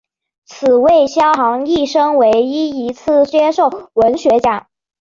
此为萧沆一生唯一一次接受文学奖。